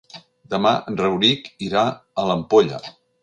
Demà en Rauric irà a l'Ampolla.